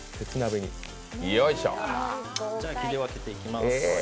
切り分けていきます。